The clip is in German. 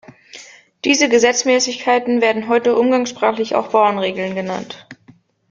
Diese Gesetzmäßigkeiten werden heute umgangssprachlich auch Bauernregeln genannt.